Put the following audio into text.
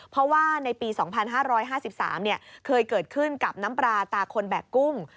เพราะว่าในปี๒๕๕๓เคยเกิดขึ้นกับน้ำปลาตาคนแบบกุ้ง